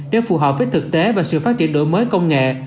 để phù hợp với thực tế và sự phát triển đổi mới công nghệ